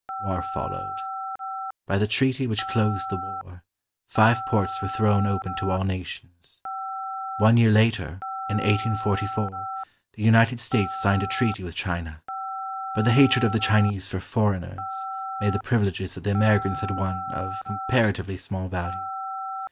War foUow'ed. By the treaty which closed the war, five ports were thrown open to all nations. One year later, in 1844, the United States signed a treaty with China; but the hatred of the Chinese for foreigners made the privi leges that the Americans had won of comparatively small value.